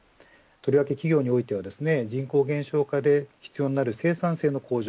とりわけ企業においては人口減少で必要になる生産性の向上